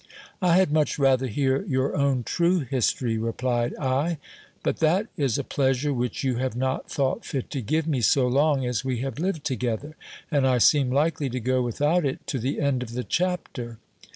I had much rather hear your own true history, replied I ; but that is a pleasure which you have not thought fit to give me so long as we have lived together, and I seem likely to go without it to the end of the chapter.